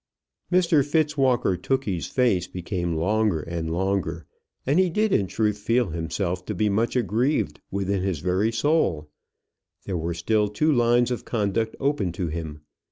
Mr Fitzwalker Tookey's face became longer and longer, and he did in truth feel himself to be much aggrieved within his very soul. There were still two lines of conduct open to him.